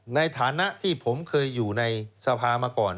ในฐานะที่ผมเคยอยู่ในสภามาก่อน